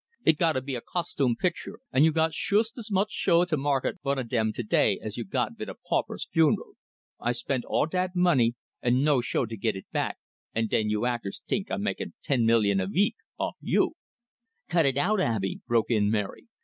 It'd gotta be a costume picture, and you got shoost as much show to market vun o' dem today as you got vit a pauper's funeral. I spend all dat money, and no show to git it back, and den you actors tink I'm makin' ten million a veek off you " "Cut it out, Abey!" broke in Mary.